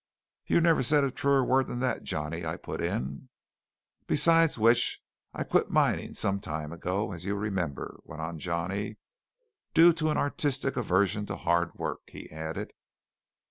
"You never said a truer word than that, Johnny," I put in. "Besides which, I quit mining some time ago, as you remember," went on Johnny, "due to an artistic aversion to hard work," he added.